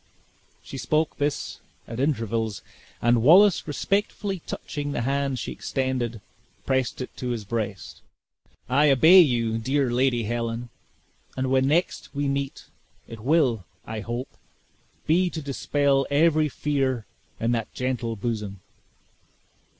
She spoke this at intervals, and Wallace respectfully touching the hand she extended, pressed it to his breast. "I obey you, dear Lady Helen, and when next we meet, it will, I hope, be to dispel every fear in that gentle bosom."